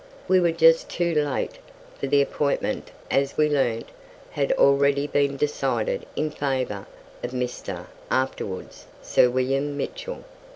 We were just too late, for the appointment, as we learnt, had already been decided in favour of Mr., afterwards Sir William, Mitchell.